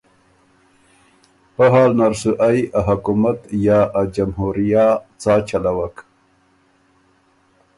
پۀ حال نر سُو ائ ا حکومت یا ا جمهوریه څا چَلَوک